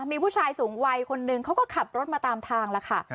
มีผู้ชายสูงวัยคนนึงเขาก็ขับรถมาตามทางแล้วค่ะ